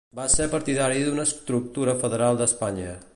Va ser partidari d'una estructura federal d'Espanya.